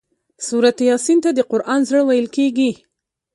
سورة یس ته د قران زړه ويل کيږي